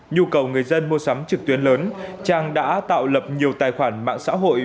nhu cầu người dân mua sắm trực tuyến lớn trang đã tạo lập nhiều tài khoản mạng xã hội